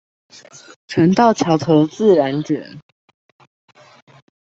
船到橋頭自然捲